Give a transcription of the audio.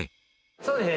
そうですね